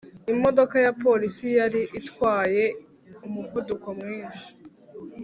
imodoka ya polisi yari itwaye umuvuduko mwinshi.